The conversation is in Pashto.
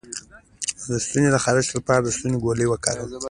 د ستوني د خارش لپاره د ستوني ګولۍ وکاروئ